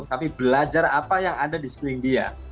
tapi belajar apa yang ada di sekeliling dia